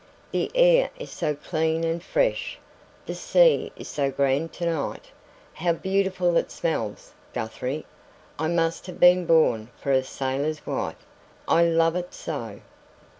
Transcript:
"The air is so clean and fresh! The sea is so grand tonight! How beautiful it smells! Guthrie, I must have been born for a sailor's wife I love it so!"